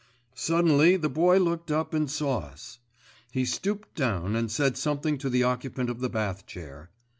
Suddenly the Boy looked up and saw us. He stooped down and said something to the occupant of the bath chair.